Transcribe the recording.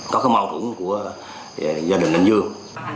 có cái mâu thuẫn của gia đình nguyễn dương